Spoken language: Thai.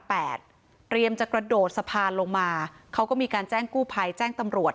เตรียมจะกระโดดสะพานลงมาเขาก็มีการแจ้งกู้ภัยแจ้งตำรวจ